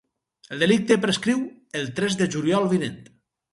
El delicte prescriu el tres de juliol vinent.